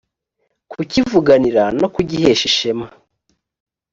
kukivuganira no kugihesha ishema